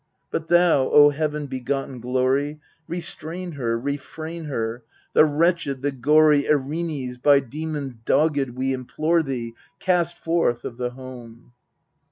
But thou, O heaven begotten glory, Restrain her, refrain her : the wretched, the gory Erinnys by demons dogged, we implore thee, Cast forth of the home